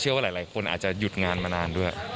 ว่าหลายคนอาจจะหยุดงานมานานด้วย